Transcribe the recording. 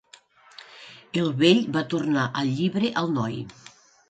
El vell va tornar el llibre al noi.